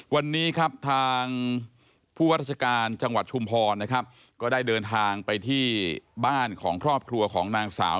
วันนี้ครับทางผู้ว่าราชการจังหวัดชุมพรนะครับก็ได้เดินทางไปที่บ้านของครอบครัวของนางสาว